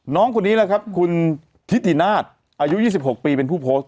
น้องคนนี้แหละครับคุณทิตินาศอายุ๒๖ปีเป็นผู้โพสต์